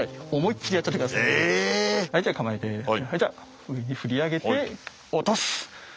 はいじゃあ構えて上に振り上げて落とす。